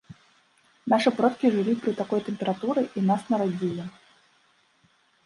Нашы продкі жылі пры такой тэмпературы і нас нарадзілі.